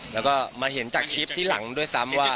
แล้วก็มาเห็นจากคลิปที่หลังด้วยซ้ำว่า